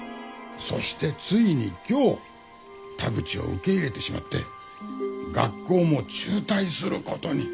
そしてついに今日田口を受け入れてしまって学校も中退することに。